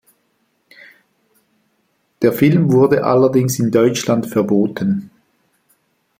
Der Film wurde allerdings in Deutschland verboten.